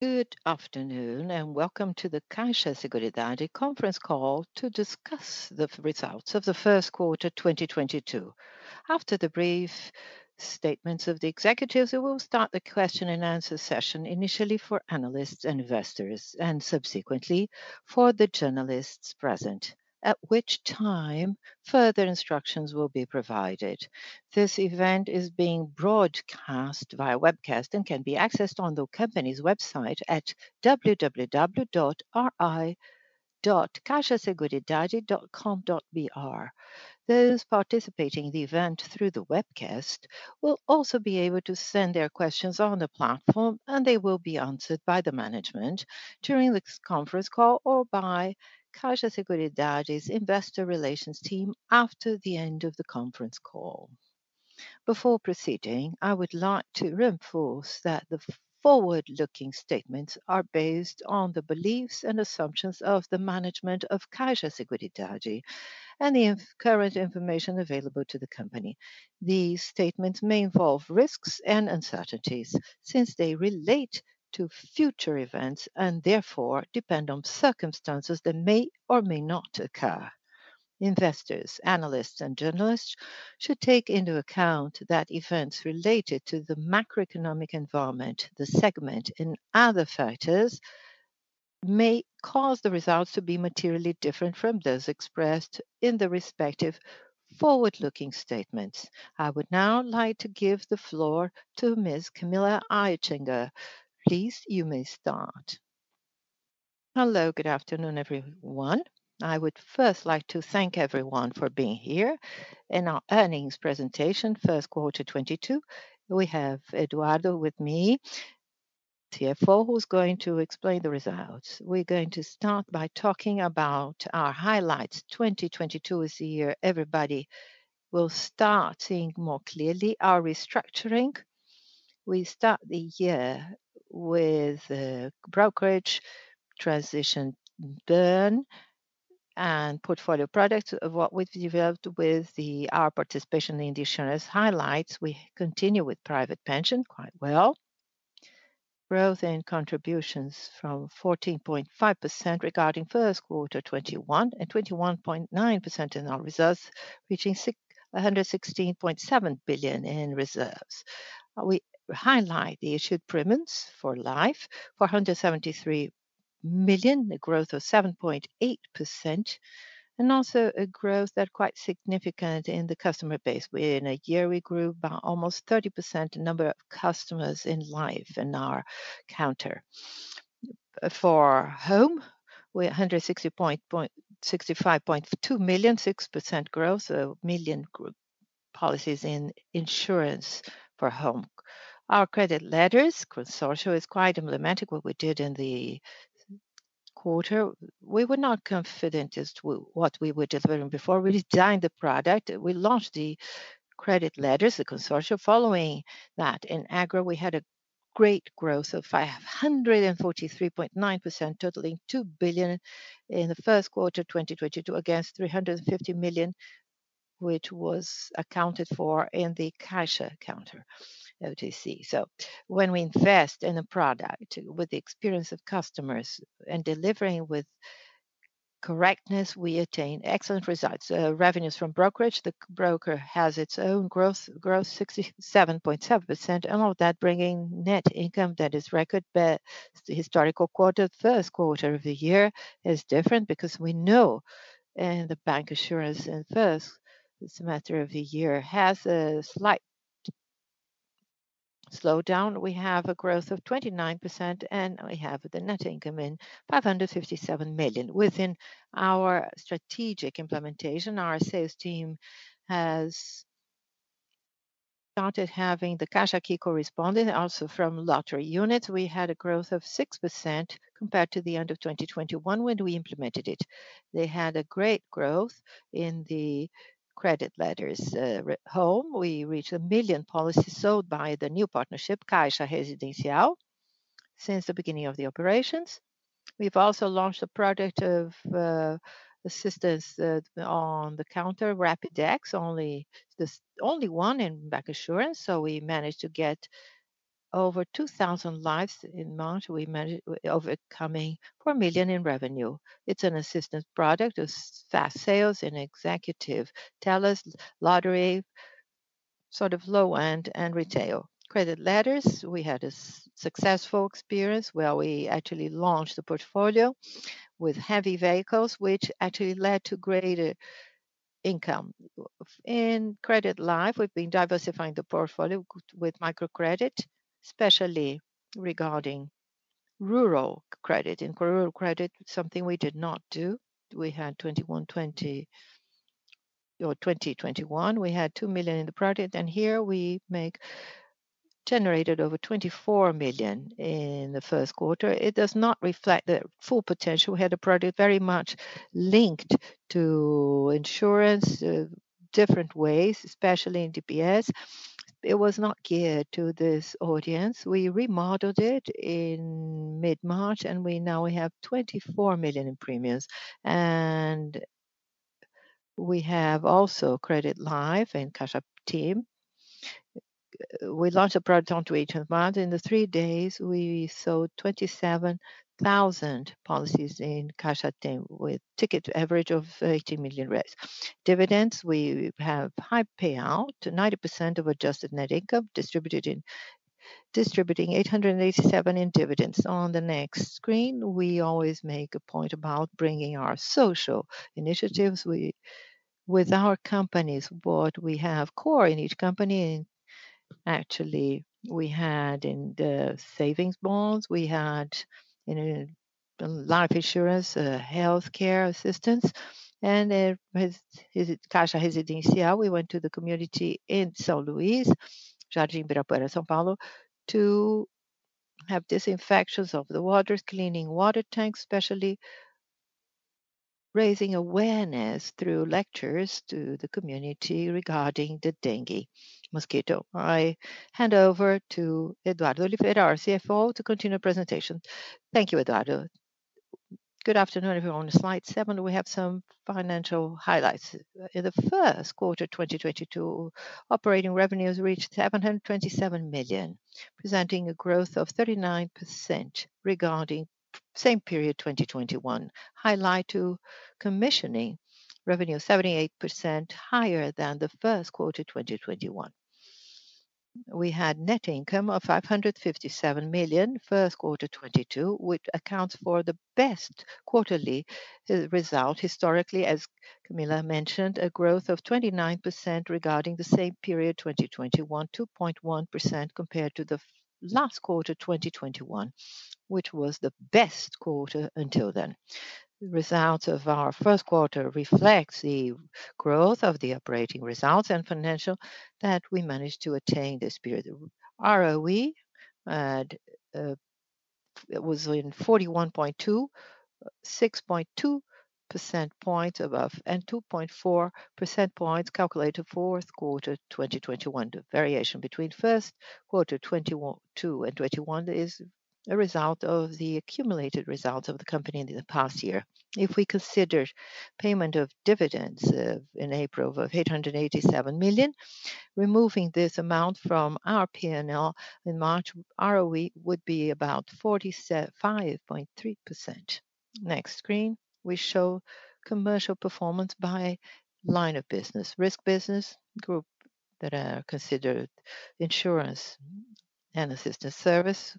Good afternoon, and welcome to the Caixa Seguridade conference call to discuss the results of the first quarter 2022. After the brief statements of the executives, we will start the question and answer session initially for analysts and investors, and subsequently for the journalists present, at which time further instructions will be provided. This event is being broadcast via webcast and can be accessed on the company's website at www.ri.caixaseguridade.com.br. Those participating in the event through the webcast will also be able to send their questions on the platform, and they will be answered by the management during this conference call or by Caixa Seguridade's investor relations team after the end of the conference call. Before proceeding, I would like to reinforce that the forward-looking statements are based on the beliefs and assumptions of the management of Caixa Seguridade and the current information available to the company. These statements may involve risks and uncertainties since they relate to future events and therefore depend on circumstances that may or may not occur. Investors, analysts, and journalists should take into account that events related to the macroeconomic environment, the segment, and other factors may cause the results to be materially different from those expressed in the respective forward-looking statements. I would now like to give the floor to Ms. Camila Aichinger. Please, you may start. Hello, good afternoon, everyone. I would first like to thank everyone for being here in our earnings presentation first quarter 2022. We have Eduardo with me, CFO, who's going to explain the results. We're going to start by talking about our highlights. 2022 is the year everybody will start seeing more clearly our restructuring. We start the year with brokerage, transition burn, and portfolio products of what we've developed with our participation in the insurance highlights. We continue with private pension quite well. Growth in contributions from 14.5% regarding first quarter 2021 and 21.9% in our reserves, reaching 116.7 billion in reserves. We highlight the issued premiums for life, 473 million, a growth of 7.8%, and also a growth that quite significant in the customer base. In a year, we grew by almost 30% the number of customers in life in our counter. For home, we're 165.2 million, 6% growth, so 1 million group policies in insurance for home. Our credit letters Consórcio is quite emblematic what we did in the quarter. We were not confident as to what we were delivering before. We redesigned the product. We launched the credit letters, the consortia. Following that, in Agro, we had a great growth of 543.9%, totaling 2 billion in the first quarter 2022, against 350 million, which was accounted for in the Caixa counter, OTC. When we invest in a product with the experience of customers and delivering with correctness, we attain excellent results. Revenues from brokerage, the broker has its own growth 67.7%, and all that bringing net income that is record-breaking historical quarter. First quarter of the year is different because we know in the bancassurance in first semester of the year has a slight slowdown. We have a growth of 29%, and we have the net income of 557 million. Within our strategic implementation, our sales team has started having the Caixa Aqui correspondent. From lottery units, we had a growth of 6% compared to the end of 2021 when we implemented it. They had a great growth in the credit letters. Home, we reached 1 million policies sold by the new partnership, Caixa Residencial, since the beginning of the operations. We've also launched a product of assistance on the counter, Rapidex, the only one in bancassurance. We managed to get over 2,000 lives in March. We managed over 4 million in revenue. It's an assistance product with fast sales and executive tellers, lottery, sort of low-end and retail. Credit letters, we had a successful experience where we actually launched the portfolio with heavy vehicles, which actually led to greater income. In credit life, we've been diversifying the portfolio with microcredit, especially regarding rural credit. In rural credit, something we did not do. In 2021, we had 2 million in the product, and here we generated over 24 million in the first quarter. It does not reflect the full potential. We had a product very much linked to insurance, different ways, especially in DPS. It was not geared to this audience. We remodeled it in mid-March, and we now have 24 million in premiums and we have also Credit Life in Caixa Tem. We launched a product onto each month. In the three days, we sold 27,000 policies in Caixa Tem with ticket average of 80 million. Dividends, we have high payout, 90% of adjusted net income distributing 887 million in dividends. On the next screen, we always make a point about bringing our social initiatives. With our companies, what we have core in each company, actually, we had in the savings bonds, we had in life insurance, healthcare assistance, and Caixa Residencial, we went to the community in São Luís, Jardim Ibirapuera, São Paulo, to have disinfections of the water, cleaning water tanks, especially raising awareness through lectures to the community regarding the dengue mosquito. I hand over to Eduardo Oliveira, our CFO, to continue the presentation. Thank you, Eduardo. Good afternoon, everyone. On slide seven, we have some financial highlights. In the first quarter 2022, operating revenues reached 727 million, presenting a growth of 39% regarding same period 2021. Highlights to commission revenue, 78% higher than the first quarter 2021. We had net income of 557 million, first quarter 2022, which accounts for the best quarterly result historically, as Camila mentioned, a growth of 29% regarding the same period 2021, 2.1% compared to the last quarter 2021, which was the best quarter until then. Results of our first quarter reflects the growth of the operating results and financial that we managed to attain this period. ROE was 41.2, 6.2 percentage points above, and 2.4 percentage points calculated fourth quarter 2021. The variation between first quarter 2022 and 2021 is a result of the accumulated results of the company in the past year. If we consider payment of dividends of in April of 887 million, removing this amount from our P&L in March, ROE would be about 45.3%. Next screen, we show commercial performance by line of business. Risk business group that are considered insurance and assistance service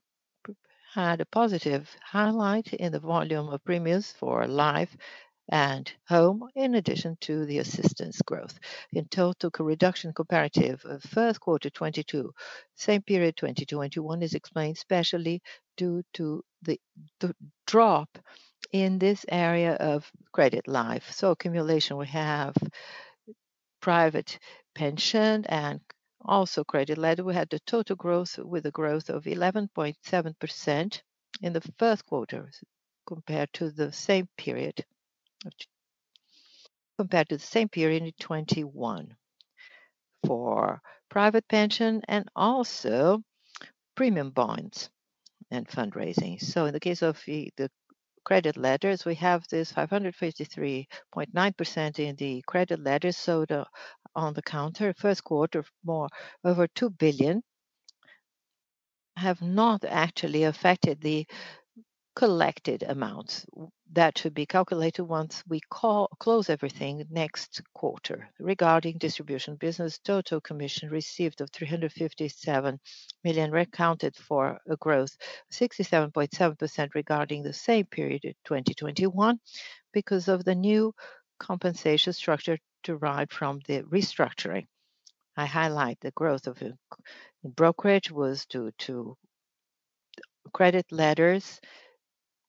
had a positive highlight in the volume of premiums for life and home, in addition to the assistance growth. In total, reduction comparative of first quarter 2022, same period, 2021, is explained especially due to the drop in this area of credit life. Accumulation, we have private pension and also credit letter. We had the total growth with a growth of 11.7% in the first quarter compared to the same period in 2021 for private pension and also premium bonds and fundraising. In the case of the credit letters, we have this 553.9% in the credit letters sold on the counter, first quarter, over 2 billion, have not actually affected the collected amounts. That should be calculated once we close everything next quarter. Regarding distribution business, total commission received of 357 million accounted for a growth 67.7% regarding the same period in 2021 because of the new compensation structure derived from the restructuring. I highlight the growth of the brokerage was due to credit letters,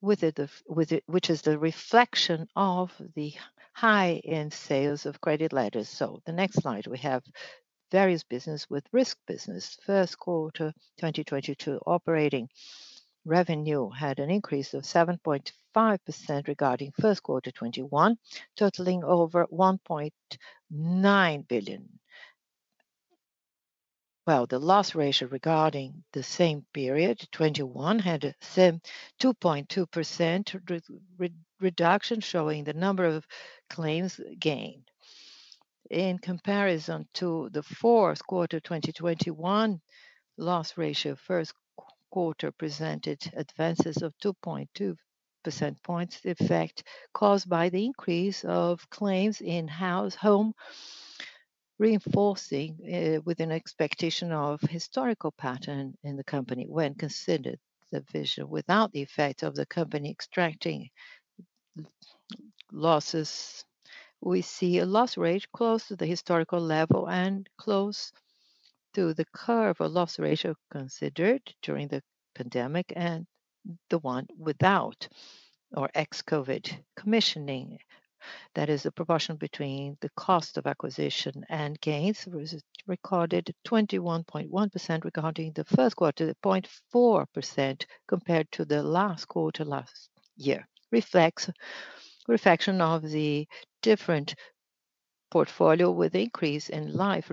which is the reflection of the high-end sales of credit letters. The next slide, we have various business with risk business. First quarter 2022, operating revenue had an increase of 7.5% regarding first quarter 2021, totaling over 1.9 billion. While the loss ratio regarding the same period 2021 had a 2.2% reduction, showing the number of claims gained. In comparison to the fourth quarter 2021 loss ratio, first quarter presented advances of 2.2 percentage points effect caused by the increase of claims in home, reinforcing with an expectation of historical pattern in the company when considered the version without the effect of catastrophic losses. We see a loss ratio close to the historical level and close to the curve of loss ratio considered during the pandemic and the one without or ex-COVID claims. That is the proportion between the cost of acquisition and premiums resulting 21.1% regarding the first quarter, 0.4% compared to the last quarter last year. Reflection of the different portfolio with increase in life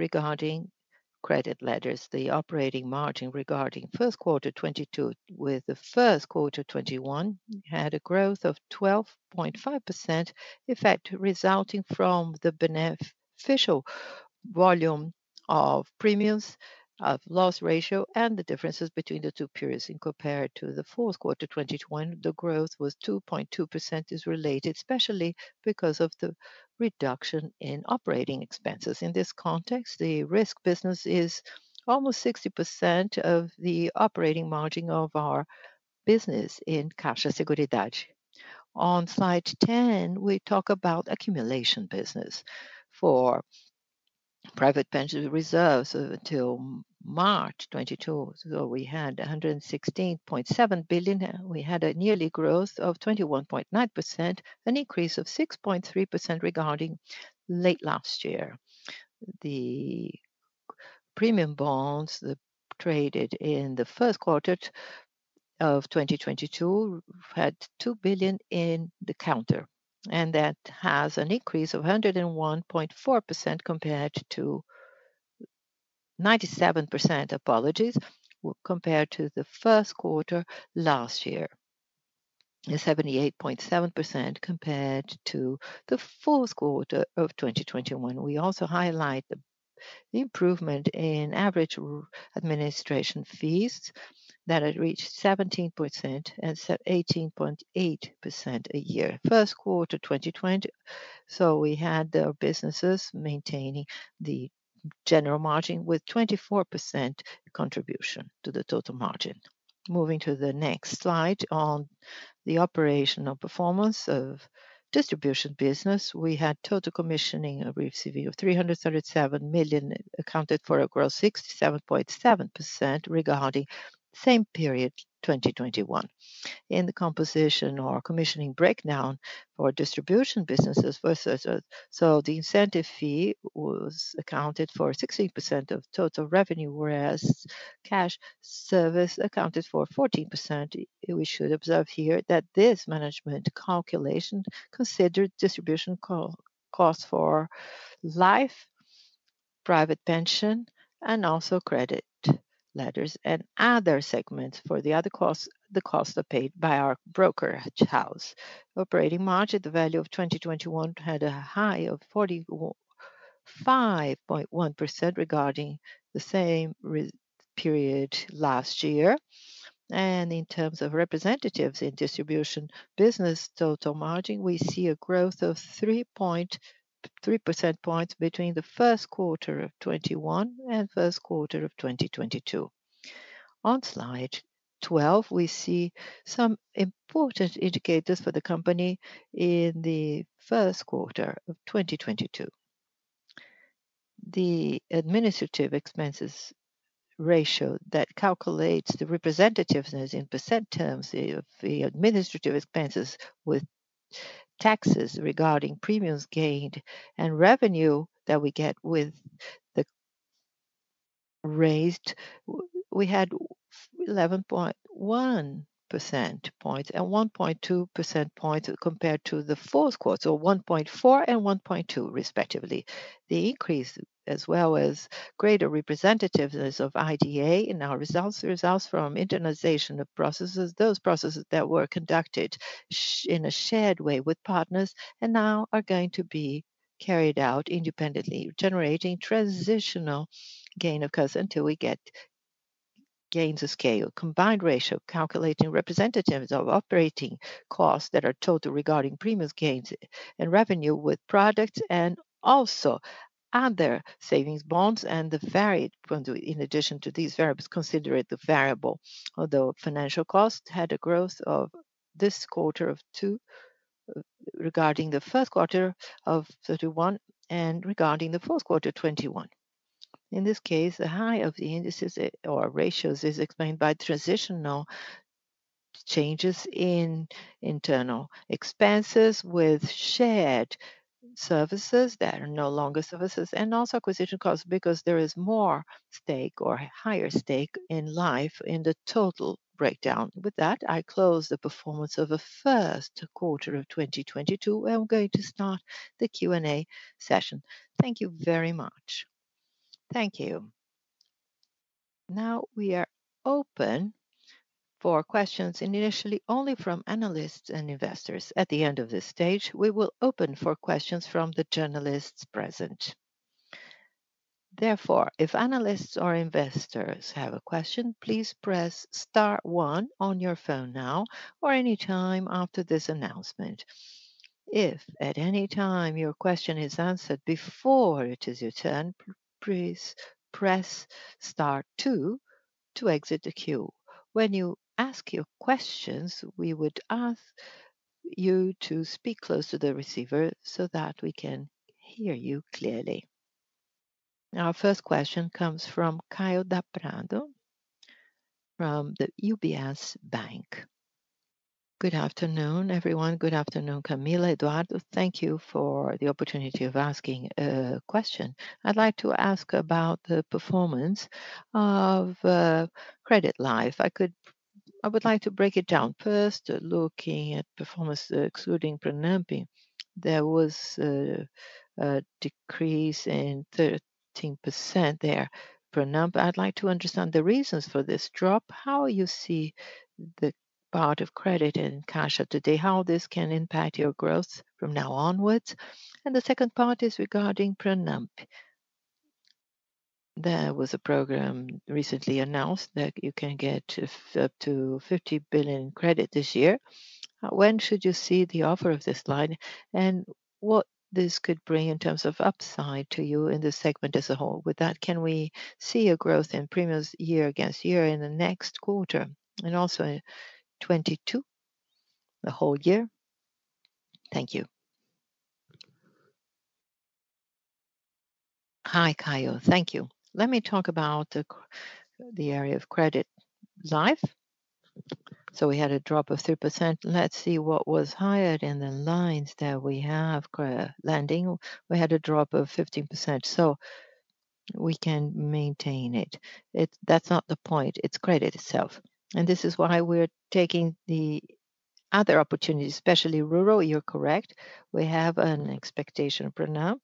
regarding credit letters, the operating margin regarding first quarter 2022 with the first quarter 2021 had a growth of 12.5%, in fact, resulting from the benefit of volume of premiums and loss ratio and the differences between the two periods. In comparison to the fourth quarter 2021, the growth was 2.2% is related especially because of the reduction in operating expenses. In this context, the risk business is almost 60% of the operating margin of our business in Caixa Seguridade. On slide 10, we talk about accumulation business. For private pension reserves until March 2022, so we had 116.7 billion. We had a yearly growth of 21.9%, an increase of 6.3% regarding late last year. The premium bonds traded in the first quarter of 2022 had 2 billion in the country, and that has an increase of 101.4% compared to 97%, apologies, compared to the first quarter last year, and 78.7% compared to the fourth quarter of 2021. We also highlight the improvement in average administration fees that had reached 17% and set 18.8% a year, first quarter 2020. We had our businesses maintaining the general margin with 24% contribution to the total margin. Moving to the next slide on the operational performance of distribution business. We had total commissioning and receiving of 337 million, accounted for a growth 67.7% regarding same period 2021. In the composition or commissioning breakdown for distribution businesses versus the incentive fee was accounted for 16% of total revenue, whereas cash service accounted for 14%. We should observe here that this management calculation considered distribution co-cost for life, private pension, and also credit letters and other segments. For the other costs, the costs are paid by our brokerage house. Operating margin, the value of 2021 had a high of 45.1% regarding the same period last year. In terms of representatives in distribution business total margin, we see a growth of 3.3 percentage points between the first quarter of 2021 and first quarter of 2022. On slide 12, we see some important indicators for the company in the first quarter of 2022. The administrative expenses ratio that calculates the representativeness in percent terms of the administrative expenses with taxes regarding earned premiums and revenue that we get with the reinsured, we had 11.1 percentage points and 1.2 percentage points compared to the fourth quarter, or 1.4 and 1.2 respectively. The increase as well as greater representativeness of IDA in our results results from internalization of processes, those processes that were conducted in a shared way with partners and now are going to be carried out independently, generating transitional gain, of course, until we get gains of scale. Combined ratio calculating representativeness of operating costs that are total regarding earned premiums and revenue with products and also other savings bonds and the varied, in addition to these variables, considering the variable. Although financial costs had a growth of this quarter of 2% regarding the first quarter of 31% and regarding the fourth quarter 21%. In this case, the high of the indices or ratios is explained by transitional changes in internal expenses with shared services that are no longer services and also acquisition costs because there is more stake or higher stake in life in the total breakdown. With that, I close the performance of the first quarter of 2022, and we're going to start the Q&A session. Thank you very much. Thank you. Now we are open for questions initially only from analysts and investors. At the end of this stage, we will open for questions from the journalists present. Therefore, if analysts or investors have a question, please press star one on your phone now or anytime after this announcement. If at any time your question is answered before it is your turn, please press star two to exit the queue. When you ask your questions, we would ask you to speak close to the receiver so that we can hear you clearly. Our first question comes from Caio Prato from UBS Bank. Good afternoon, everyone. Good afternoon, Camila, Eduardo. Thank you for the opportunity of asking a question. I'd like to ask about the performance of credit life. If I could, I would like to break it down. First, looking at performance excluding PRONAMPE, there was a decrease in 13% there, PRONAMPE. I'd like to understand the reasons for this drop, how you see the part of credit in Caixa today, how this can impact your growth from now onwards. The second part is regarding PRONAMPE. There was a program recently announced that you can get up to 50 billion credit this year. When should you see the offer of this line? What this could bring in terms of upside to you in this segment as a whole? With that, can we see a growth in premiums year-over-year in the next quarter and also in 2022, the whole year? Thank you. Hi, Caio. Thank you. Let me talk about the area of credit life. We had a drop of 3%. Let's see what was higher in the lines that we have, lending. We had a drop of 15%, so we can maintain it. That's not the point. It's credit itself. This is why we're taking the other opportunities, especially rural. You're correct. We have an expectation, PRONAMPE.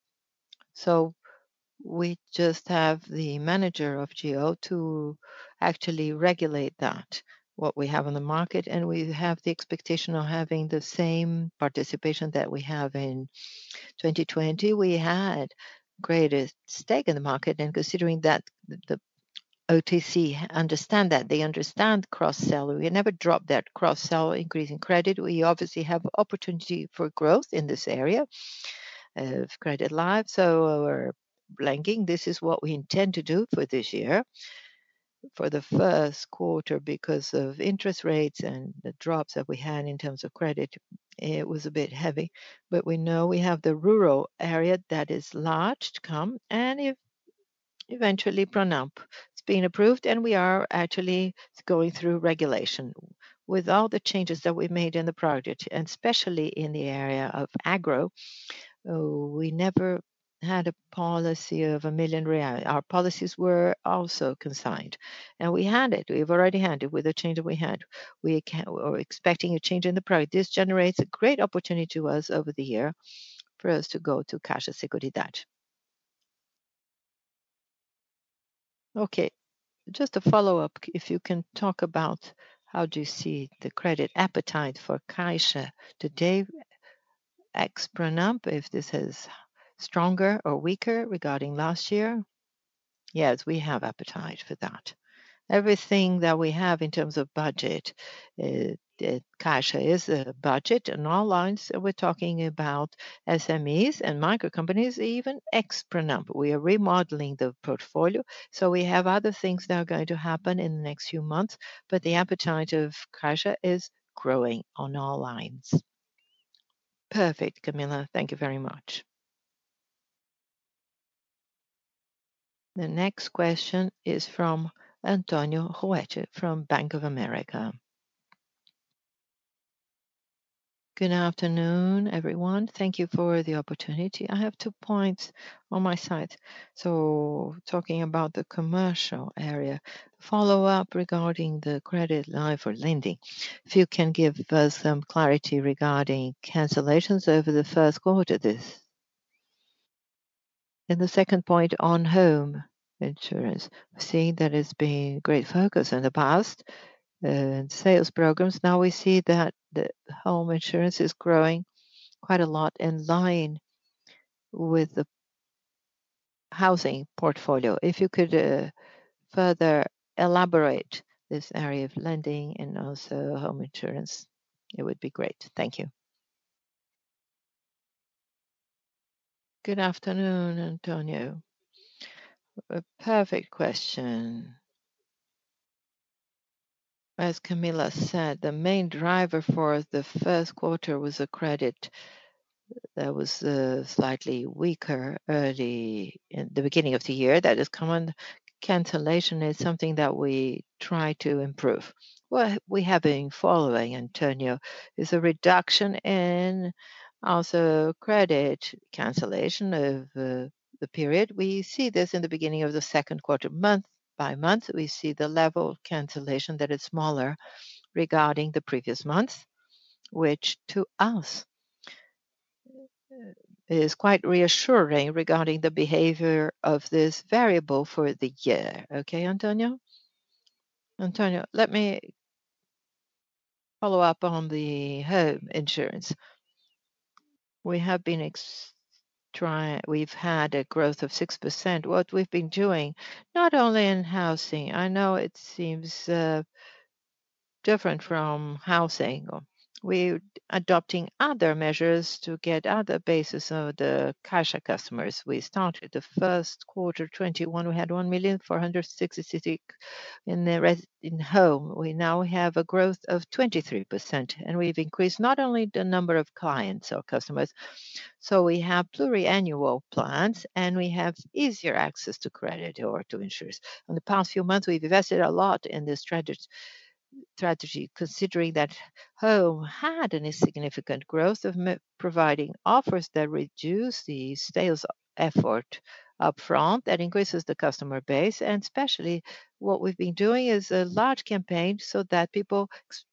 We just have the manager of GO to actually regulate that, what we have on the market, and we have the expectation of having the same participation that we have in 2020. We had greater stake in the market and considering that the OTC understand that. They understand cross-sell. We never dropped that cross-sell increase in credit. We obviously have opportunity for growth in this area of credit life. We're planning. This is what we intend to do for this year. For the first quarter, because of interest rates and the drops that we had in terms of credit, it was a bit heavy. We know we have the rural area that is large to come and eventually PRONAMPE. It's been approved and we are actually going through regulation. With all the changes that we made in the project, and especially in the area of agro, we never had a policy of 1 million real. Our policies were also consigned. We had it. We've already had it with the change that we had. We're expecting a change in the product. This generates a great opportunity to us over the year for us to go to Caixa Seguridade. Okay, just a follow-up. If you can talk about how do you see the credit appetite for Caixa today ex-PRONAMPE, if this is stronger or weaker regarding last year. Yes, we have appetite for that. Everything that we have in terms of budget, Caixa is a budget in all lines. We're talking about SMEs and micro companies, even ex-PRONAMPE. We are remodeling the portfolio, so we have other things that are going to happen in the next few months, but the appetite of Caixa is growing on all lines. Perfect, Camila. Thank you very much. The next question is from Antonio Ruette from Bank of America. Good afternoon, everyone. Thank you for the opportunity. I have two points on my side. Talking about the commercial area, follow-up regarding the credit line for lending. If you can give us some clarity regarding cancellations over the first quarter this. The second point on home insurance. Seeing that it's been great focus in the past, in sales programs. Now we see that the home insurance is growing quite a lot in line with the housing portfolio. If you could, further elaborate this area of lending and also home insurance, it would be great. Thank you. Good afternoon, Antonio. A perfect question. As Camila said, the main driver for the first quarter was a credit that was slightly weaker early in the beginning of the year. That is common. Cancellation is something that we try to improve. What we have been following, Antonio, is a reduction in also credit cancellation over the period. We see this in the beginning of the second quarter. Month by month, we see the level of cancellation that is smaller regarding the previous months, which to us is quite reassuring regarding the behavior of this variable for the year. Okay, Antonio? Antonio, let me follow up on the home insurance. We've had a growth of 6%. What we've been doing, not only in housing, I know it seems different from housing. We're adopting other measures to get other bases of the Caixa customers. We started the first quarter 2021, we had 1,000,466 in home. We now have a growth of 23%, and we've increased not only the number of clients or customers. We have pluriannual plans, and we have easier access to credit or to insurance. In the past few months, we've invested a lot in this strategy, considering that home had a significant growth providing offers that reduce the sales effort upfront, that increases the customer base. Especially what we've been doing is a large campaign so that people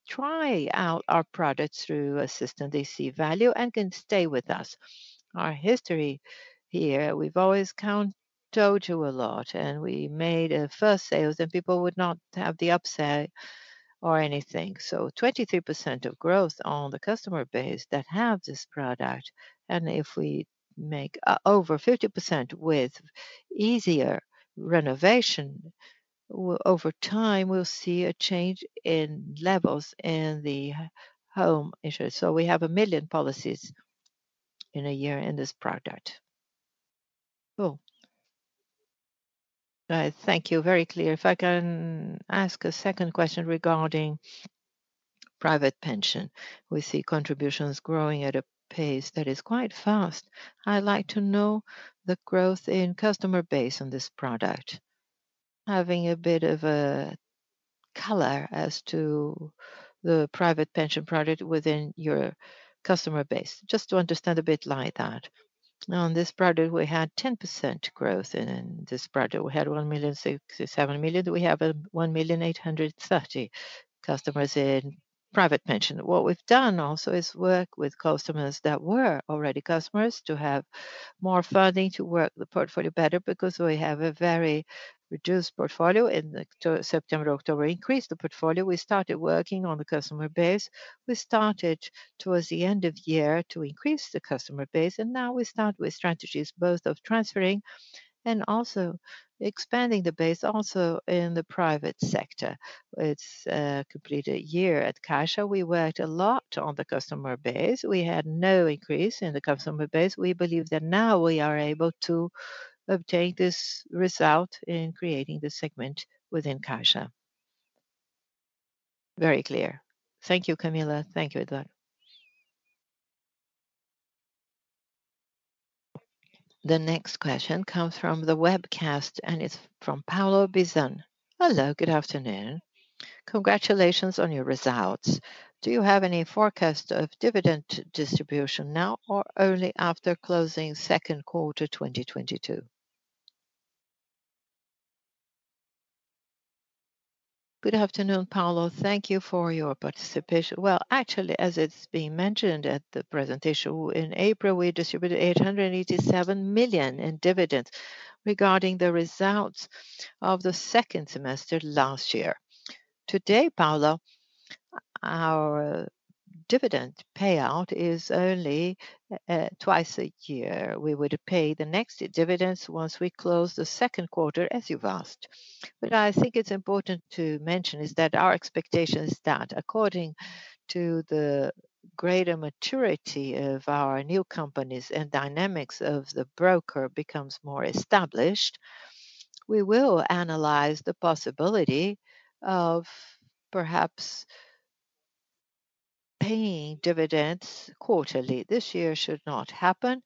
try out our products through a system they see value and can stay with us. Our history here, we've always told you a lot, and we made a first sales and people would not have the upsell or anything 23% of growth on the customer base that have this product, and if we make over 50% with easier renovation, over time, we'll see a change in levels in the home issue. We have 1 million policies in a year in this product. Cool. Thank you. Very clear. If I can ask a second question regarding private pension. We see contributions growing at a pace that is quite fast. I'd like to know the growth in customer base on this product, having a bit of a color as to the private pension product within your customer base. Just to understand a bit like that. On this product, we had 10% growth, and in this product we had 1.6-1.7 million. We have 1,830 customers in private pension. What we've done also is work with customers that were already customers to have more funding to work the portfolio better because we have a very reduced portfolio. In the September, October, increased the portfolio. We started working on the customer base. We started towards the end of year to increase the customer base, and now we start with strategies both of transferring and also expanding the base also in the private sector. It's completed a year at Caixa. We worked a lot on the customer base. We had no increase in the customer base. We believe that now we are able to obtain this result in creating this segment within Caixa. Very clear. Thank you, Camila. Thank you, Eduardo. The next question comes from the webcast, and it's from Paulo Bissan. Hello, good afternoon. Congratulations on your results. Do you have any forecast of dividend distribution now or only after closing second quarter 2022? Good afternoon, Paulo. Thank you for your participation. Well, actually, as it's been mentioned at the presentation, in April, we distributed 887 million in dividends regarding the results of the second semester last year. Today, Paulo, our dividend payout is only twice a year. We would pay the next dividends once we close the second quarter, as you've asked. I think it's important to mention is that our expectation is that according to the greater maturity of our new companies and dynamics of the broker becomes more established, we will analyze the possibility of perhaps paying dividends quarterly. This year should not happen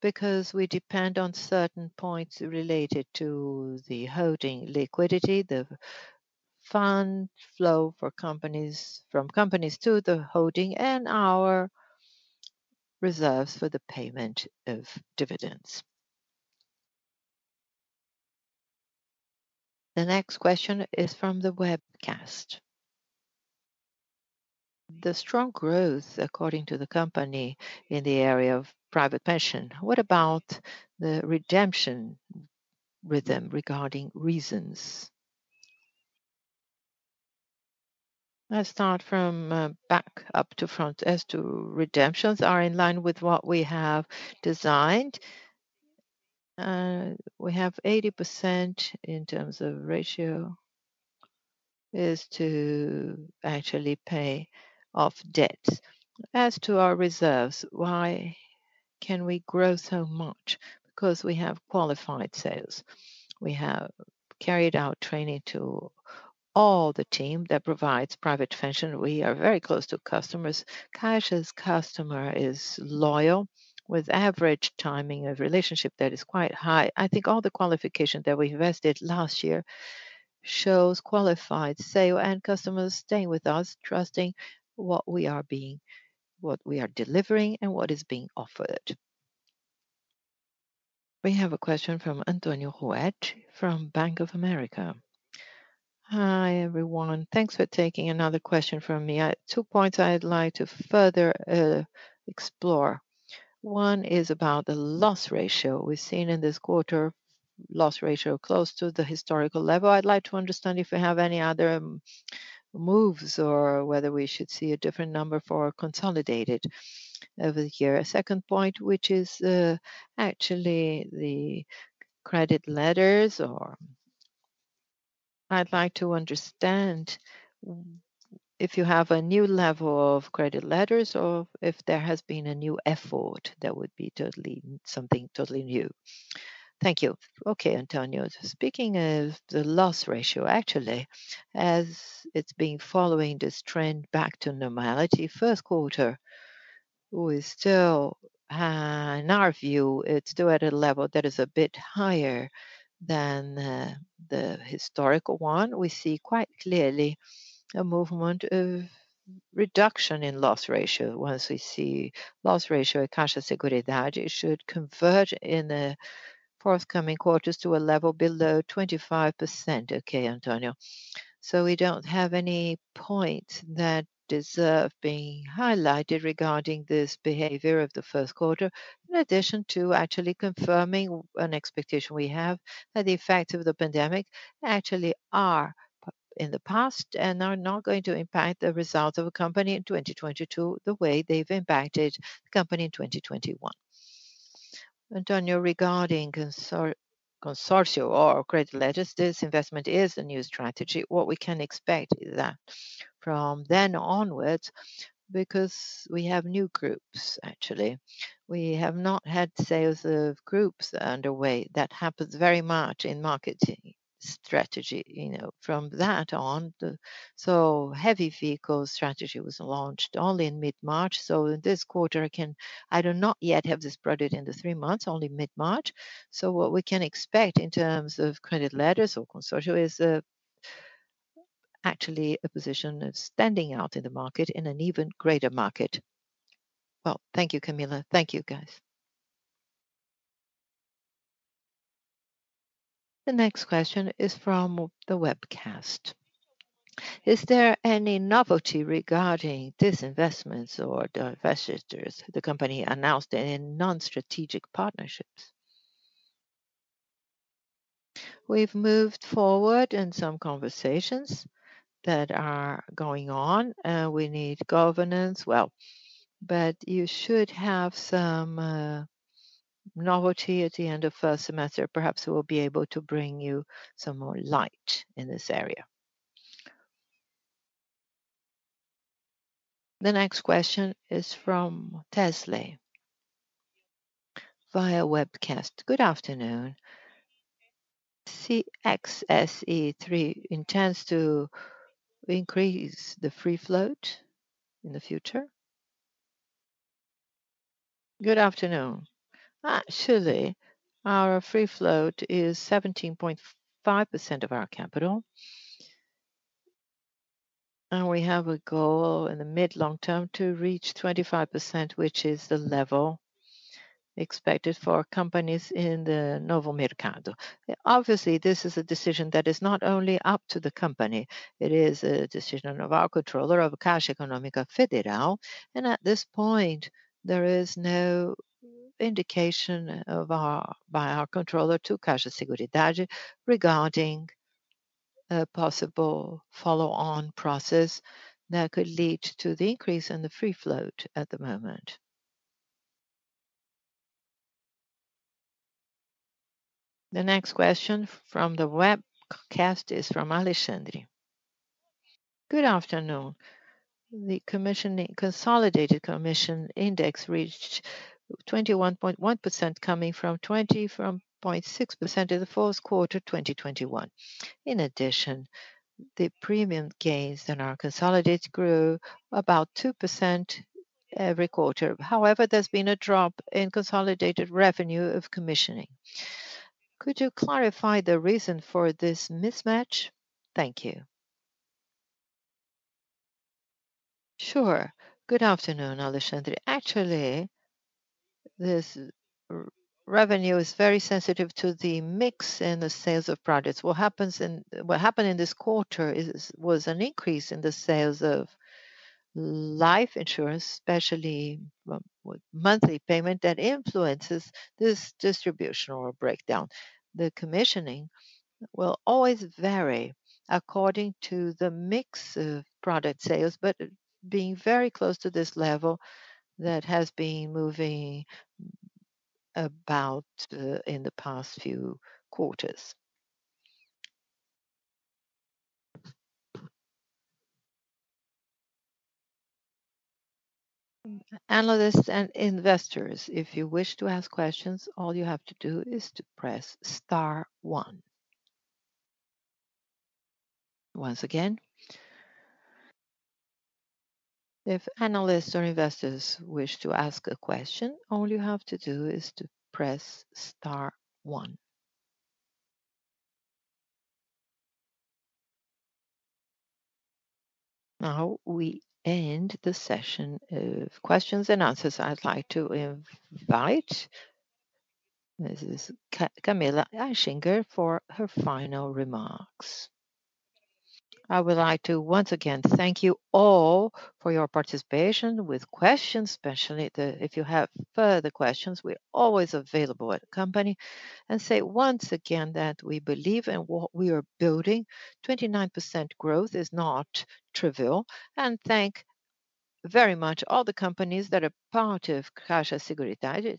because we depend on certain points related to the holding liquidity, the fund flow for companies, from companies to the holding, and our reserves for the payment of dividends. The next question is from the webcast. The strong growth according to the company in the area of private pension, what about the redemption rhythm regarding reasons? Let's start from, back to front. As to redemptions are in line with what we have designed. We have 80% in terms of ratio used to actually pay off debt. As to our reserves, why can we grow so much? Because we have qualified sales. We have carried out training to all the team that provides private pension. We are very close to customers. Caixa's customer is loyal with average timing of relationship that is quite high. I think all the qualification that we invested last year shows qualified sale and customers staying with us, trusting what we are being, what we are delivering, and what is being offered. We have a question from Antonio Ruette from Bank of America. Hi, everyone. Thanks for taking another question from me. Two points I'd like to further explore. One is about the loss ratio. We've seen in this quarter loss ratio close to the historical level. I'd like to understand if we have any other moves or whether we should see a different number for consolidated over the year. A second point, which is actually the credit letters. I'd like to understand if you have a new level of credit letters or if there has been a new effort that would be something totally new. Thank you. Okay, Antonio. Speaking of the loss ratio, actually, as it's been following this trend back to normality, first quarter we still, in our view, it's still at a level that is a bit higher than the historical one. We see quite clearly a movement of reduction in loss ratio. Once we see loss ratio at Caixa Seguridade, it should convert in the forthcoming quarters to a level below 25%, okay, Antonio. We don't have any point that deserve being highlighted regarding this behavior of the first quarter, in addition to actually confirming an expectation we have that the effect of the pandemic actually are in the past and are not going to impact the results of a company in 2022 the way they've impacted the company in 2021. Antonio, regarding Consórcio or credit letters, this investment is a new strategy. What we can expect is that from then onwards, because we have new groups, actually, we have not had sales of groups underway. That happens very much in marketing strategy, you know, from that on. Heavy vehicles strategy was launched only in mid-March, so in this quarter I do not yet have this product in the three months, only mid-March. What we can expect in terms of credit letters or Consórcio is actually a position of standing out in the market in an even greater market. Well, thank you, Camila. Thank you, guys. The next question is from the webcast. Is there any novelty regarding disinvestments or the investors the company announced in non-strategic partnerships? We've moved forward in some conversations that are going on, we need governance. Well, you should have some novelty at the end of first semester. Perhaps we'll be able to bring you some more light in this area. The next question is from Wesley via webcast. Good afternoon. CXSE3 intends to increase the free float in the future? Good afternoon. Actually, our free float is 17.5% of our capital, and we have a goal in the mid- to long-term to reach 25%, which is the level expected for companies in the Novo Mercado. Obviously, this is a decision that is not only up to the company, it is a decision of our controller, of Caixa Econômica Federal, and at this point, there is no indication by our controller to Caixa Seguridade regarding a possible follow-on process that could lead to the increase in the free float at the moment. The next question from the webcast is from Alexandre. Good afternoon. The consolidated commission index reached 21.1%, coming from 20.6% in the fourth quarter, 2021. In addition, the premiums in our consolidated grew about 2% every quarter. However, there's been a drop in consolidated commission revenue. Could you clarify the reason for this mismatch? Thank you. Sure. Good afternoon, Alexandre. Actually, this revenue is very sensitive to the mix in the sales of products. What happened in this quarter was an increase in the sales of life insurance, especially with monthly payment, that influences this distributional breakdown. The commission will always vary according to the mix of product sales, but being very close to this level that has been moving about in the past few quarters. Analysts and investors, if you wish to ask questions, all you have to do is to press star one. Once again, if analysts or investors wish to ask a question, all you have to do is to press star one. Now we end the session of questions and answers. I'd like to invite Mrs. Camila Aichinger for her final remarks. I would like to once again thank you all for your participation with questions. If you have further questions, we're always available at the company, and say once again that we believe in what we are building. 29% growth is not trivial. Thank you very much all the companies that are part of Caixa Seguridade,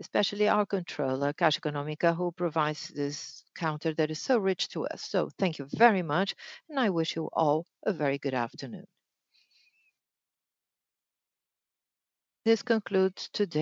especially our controller, Caixa Econômica, who provides this counter that is so rich to us. Thank you very much, and I wish you all a very good afternoon. This concludes today.